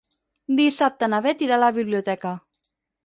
Dissabte na Bet irà a la biblioteca.